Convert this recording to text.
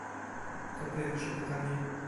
To pierwsze pytanie